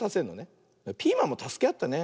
ピーマンもたすけあってね。